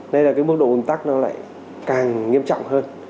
nên là cái mức độ ồn tắc nó lại càng nghiêm trọng hơn